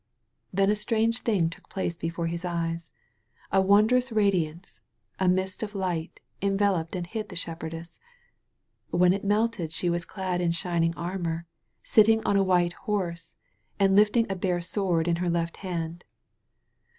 *' Then a strange thing took place before his eyes. A wondrous radiance, a mist of light, enveloped and hid the shepherdess. When it melted she was clad in shining armor, sitting on a white horse, and lifting a bare sword in her left hand.